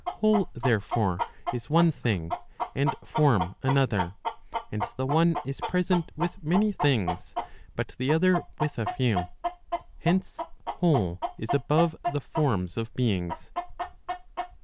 Whole, therefore, is one thing, and form another. And the one is present with many things, but the other with a few. Hence, whole is above the forms of beings.